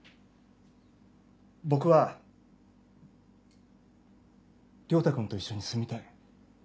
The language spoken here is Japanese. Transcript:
僕は良太君と一緒に住みたい。